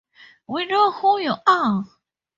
We know who you are.